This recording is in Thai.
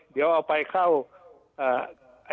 เดี๋ยวเอาไปเข้า